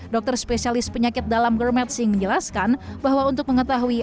dokter spesialis penyakit dalam germetsing menjelaskan bahwa untuk mengetahui